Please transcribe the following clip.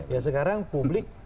ya sekarang publik